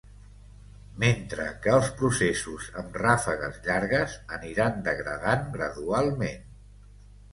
Mentre que els processos amb ràfegues llargues aniran degradant gradualment.